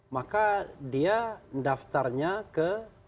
maka dia daftarnya ke